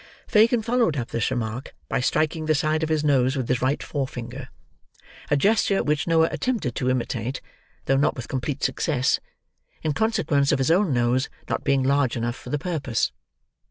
Fagin followed up this remark by striking the side of his nose with his right forefinger,—a gesture which Noah attempted to imitate, though not with complete success, in consequence of his own nose not being large enough for the purpose.